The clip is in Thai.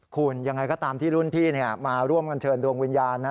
คุณยังไงก็ตามที่รุ่นพี่มาร่วมกันเชิญดวงวิญญาณนะ